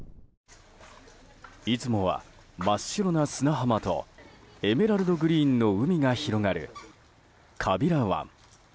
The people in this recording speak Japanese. いつもは真っ白な砂浜とエメラルドグリーンの海が広がる川平湾。